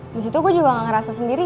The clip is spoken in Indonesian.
abis itu gue juga gak ngerasa sendiri